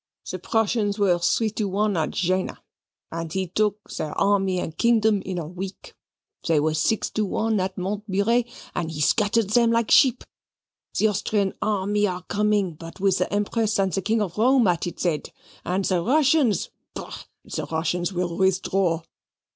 "The Prussians were three to one at Jena, and he took their army and kingdom in a week. They were six to one at Montmirail, and he scattered them like sheep. The Austrian army is coming, but with the Empress and the King of Rome at its head; and the Russians, bah! the Russians will withdraw.